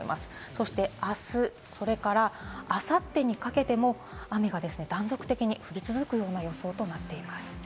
そしてあす、あさってにかけても雨が断続的に降り続くような予想となっています。